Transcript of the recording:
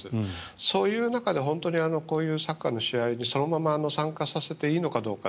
そういう中で本当にこういうサッカーの試合にそのまま参加させていいのかどうか。